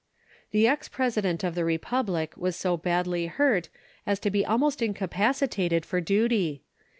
The ex president of the republic was so badly hurt as to be almost incapacitated for duty.